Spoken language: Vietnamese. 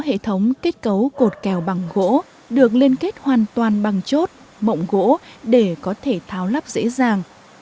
hệ thống kết cấu cột kèo bằng gỗ được liên kết hoàn toàn bằng chốt mộng gỗ để có thể tháo lắp dễ dàng